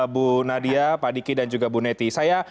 bu nadia pak diki dan juga bu neti